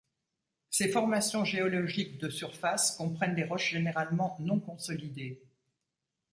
Ces formations géologiques de surface comprennent des roches généralement non consolidées.